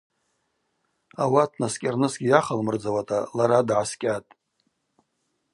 Ауат наскӏьарнысгьи йахалмырдзауата лара дгӏаскӏьатӏ.